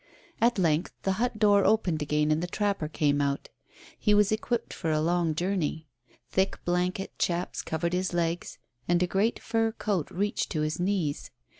At length the hut door opened again and the trapper came out; he was equipped for a long journey. Thick blanket chaps covered his legs, and a great fur coat reached to his knees.